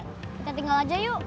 kita tinggal aja yuk